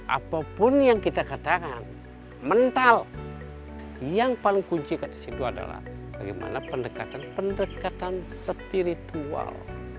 apapun yang kita katakan mental yang paling kunci di situ adalah pendekatan spiritual